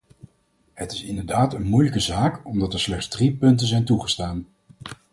Het is inderdaad een moeilijke zaak, omdat er slechts drie punten zijn toegestaan.